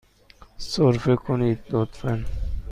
سرفه کنید، لطفاً.